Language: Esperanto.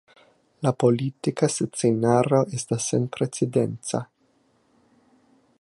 La politika scenaro estas senprecedenca.